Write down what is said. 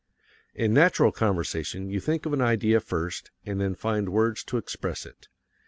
In natural conversation you think of an idea first, and then find words to express it.